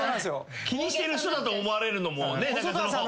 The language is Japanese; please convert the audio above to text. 気にしてる人だと思われるのもね。